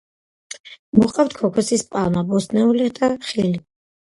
მოჰყავთ ქოქოსის პალმა, ბოსტნეული, ხილი.